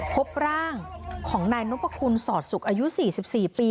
พบร่างของนายนพคุณสอดสุขอายุ๔๔ปี